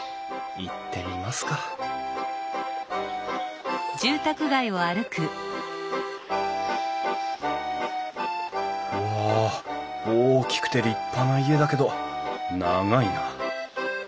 行ってみますかうわ大きくて立派な家だけど長いな。